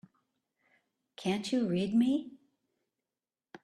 Can't you read me?